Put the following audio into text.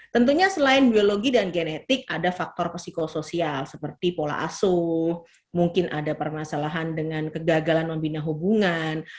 tentunya selain biologi dan genetik ada faktor psikosoial seperti pola asuh mungkin ada permasalahan dengan kegagalan membina hubungan